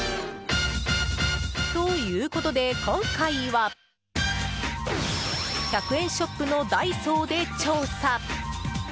ということで今回は１００円ショップのダイソーで調査。